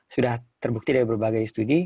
sudah terbukti dari berbagai studi